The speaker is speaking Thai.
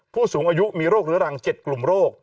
๓ผู้สูงอายุมีโรครัง๗กลุ่มโรค